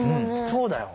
そうだよ。